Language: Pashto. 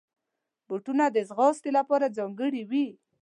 بوټونه د ځغاستې لپاره ځانګړي وي.